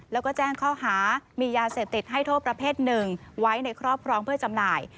แล้วก็แจ้งข้อหามียาเสพติดให้โทษประเภทหนึ่งไว้ในครอบครองเพื่อจำหน่าย